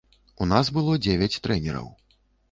У нас было дзевяць трэнераў.